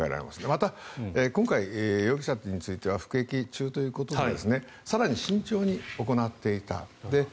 また、今回、容疑者については服役中ということで更に慎重に行っていた。